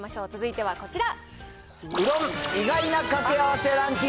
続いてはこちら。